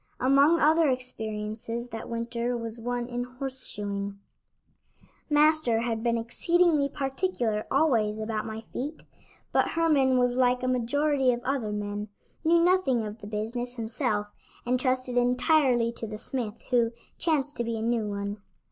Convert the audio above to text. Among other experiences that winter was one in horse shoeing. Master had been exceedingly particular always about my feet, but Herman was like a majority of other men; knew nothing of the business himself and trusted entirely to the smith, who chanced to be a new one.